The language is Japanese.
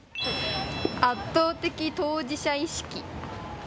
圧倒的当事者意識。